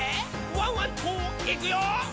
ワンワンといくよ」